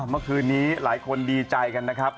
เมื่อคืนนี้หลายคนดีใจกันนะครับ